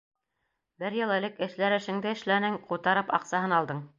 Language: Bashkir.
Бер йыл элек эшләр эшеңде эшләнең, ҡутарып аҡсаһын алдың.